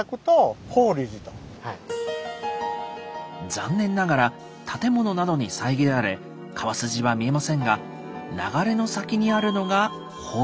残念ながら建物などに遮られ川筋は見えませんが流れの先にあるのが法隆寺。